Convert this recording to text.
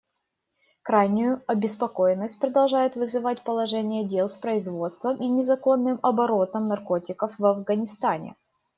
Крайнюю обеспокоенность продолжает вызывать положение дел с производством и незаконным оборотом наркотиков в Афганистане.